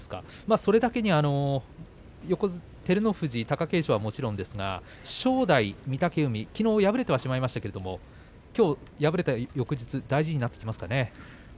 それだけに照ノ富士貴景勝はもちろんですけれど正代、御嶽海、きのう敗れましたけれどきょう敗れた翌日大事になってきますかね。